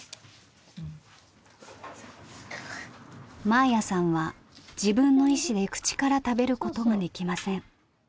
眞綾さんは自分の意思で口から食べることができません。